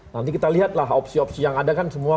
nanti kita lihatlah opsi opsi yang ada kan semua